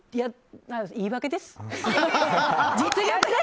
言い訳です。